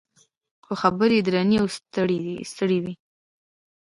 خو خبرې یې درنې او ستړې وې.